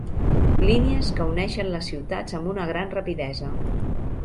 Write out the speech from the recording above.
Línies que uneixen les ciutats amb una gran rapidesa.